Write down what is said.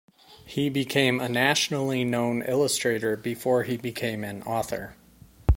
He became a nationally known illustrator before he became an author.